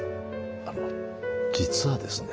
あの実はですね